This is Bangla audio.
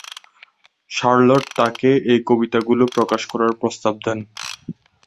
শার্লট তাকে এই কবিতাগুলো প্রকাশ করার প্রস্তাব দেন।